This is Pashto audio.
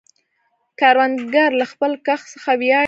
کروندګر له خپل کښت څخه ویاړي